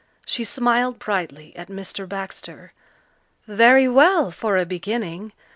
She smiled brightly at Mr. Baxter. "Very well for a beginning.